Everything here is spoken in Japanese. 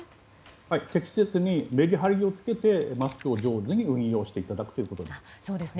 適切にメリハリをつけてマスクを上手に運用していただくということです。